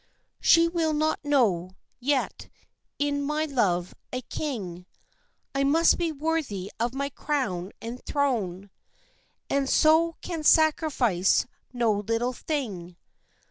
She will not know; yet, in my love a king, I must be worthy of my crown and throne, And so can sacrifice no little thing.